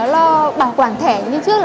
lo bảo quản thẻ như trước